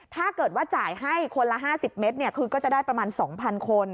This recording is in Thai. ถ้าเกิดว่าจ่ายให้คนละ๕๐เมตรคือก็จะได้ประมาณ๒๐๐คน